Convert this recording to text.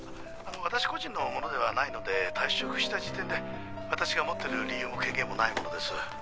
私個人のものではないので退職した時点で私が持っている理由も権限もないものです。